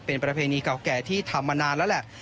เป็นประเพณีเก่าแก่ที่ทำมานานแล้วแหละ